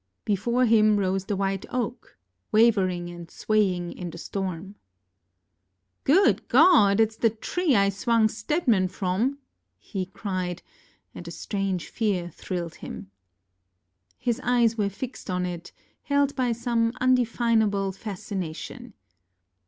Before him rose the white oak, wavering and swaying in the storm. ŌĆ£Good God! itŌĆÖs the tree I swung Stedman from! ŌĆØ he cried, and a strange fear thrilled him. His eyes were fixed on it, held by some undefinable fascination.